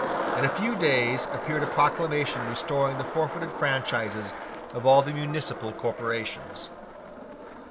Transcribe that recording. In a few days appeared a proclamation restoring the forfeited franchises of all the municipal corporations.